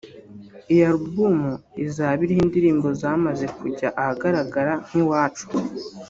Iyi album izaba iriho indimbo zamaze kujya ahagaragara nka Iwacu